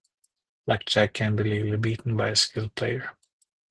Blackjack can be legally beaten by a skilled player.